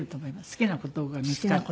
好きな事が見つかって。